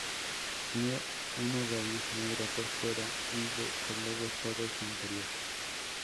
Tiene una raíz negra por fuera y de color rosado su interior.